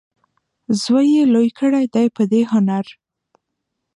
زوی یې لوی کړی دی په دې هنر.